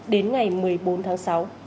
đến ngày một mươi bốn tháng sáu